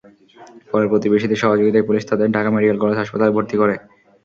পরে প্রতিবেশীদের সহযোগিতায় পুলিশ তাদের ঢাকা মেডিকেল কলেজ হাসপাতালে ভর্তি করে।